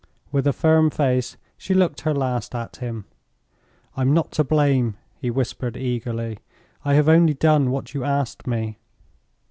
With a firm face she looked her last at him. "I'm not to blame," he whispered, eagerly; "I have only done what you asked me."